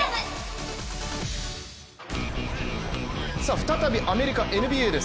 再びアメリカ、ＮＢＡです。